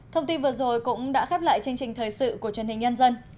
thông tin vừa rồi cũng đã khép lại chương trình thời sự của truyền hình nhân dân